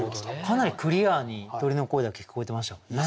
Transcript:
かなりクリアに鳥の声だけ聞こえてましたもんね。